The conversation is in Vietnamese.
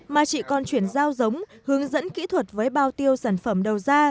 mà chị còn chuyển giao giống hướng dẫn kỹ thuật với bao tiêu sản phẩm đầu ra